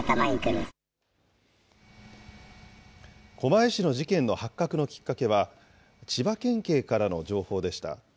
狛江市の事件の発覚のきっかけは、千葉県警からの情報でした。